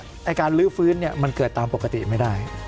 ไอ้การลื้อฟื้นมันเกิดตามปกติไม่ได้